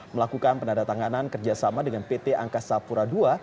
melakukan penandatanganan kerjasama dengan pt angkasa pura ii